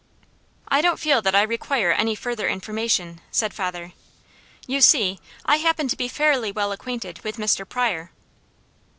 "I don't feel that I require any further information," said father. "You see, I happen to be fairly well acquainted with Mr. Pryor."